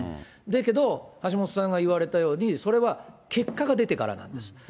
だけど、橋下さんが言われたように、それは結果が出てからなんです。